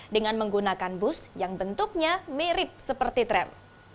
dengan menggunakan bus yang bentuknya mirip seperti tram